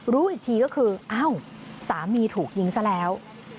รู้อีกทีก็คืออ้าวสามีถูกยิงซะแล้ว